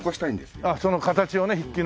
あっその形をね筆記のね。